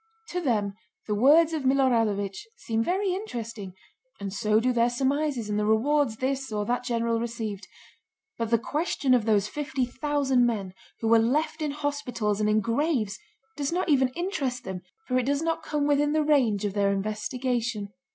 To them the words of Milorádovich seem very interesting, and so do their surmises and the rewards this or that general received; but the question of those fifty thousand men who were left in hospitals and in graves does not even interest them, for it does not come within the range of their investigation.